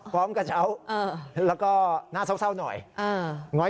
พร้อมกระเช้าแล้วก็หน้าเศร้าหน่อย